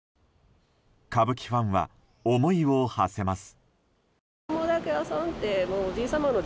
歌舞伎ファンは思いを馳せます。